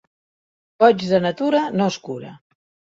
Boig de natura no es cura.